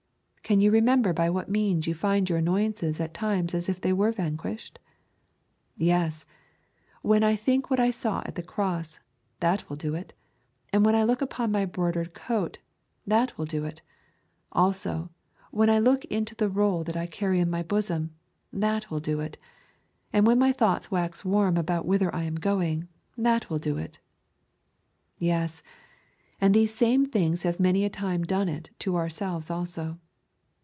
'Can you remember by what means you find your annoyances at times as if they were vanquished?' 'Yes, when I think what I saw at the cross, that will do it; and when I look upon my broidered coat, that will do it; also, when I look into the roll that I carry in my bosom, that will do it; and when my thoughts wax warm about whither I am going, that will do it.' Yes; and these same things have many a time done it to ourselves also.